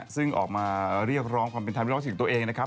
ซึ่งออกมาเรียกร้องความเป็นธรรมเรียกร้องสิ่งตัวเองนะครับ